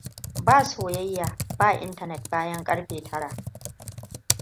Ba soyayya. Ba intanet bayan karfe tara.